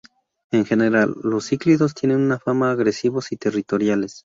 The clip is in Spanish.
En general, los cíclidos tienen fama de agresivos y territoriales.